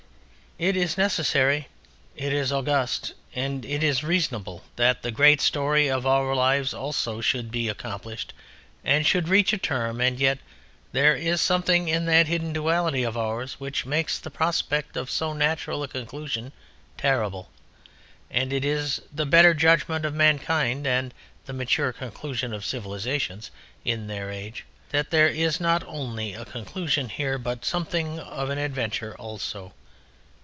It is necessary, it is august and it is reasonable that the great story of our lives also should be accomplished and should reach a term: and yet there is something in that hidden duality of ours which makes the prospect of so natural a conclusion terrible, and it is the better judgment of mankind and the mature conclusion of civilisations in their age that there is not only a conclusion here but something of an adventure also.